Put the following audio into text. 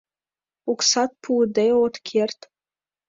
Оксат пуыде от керт.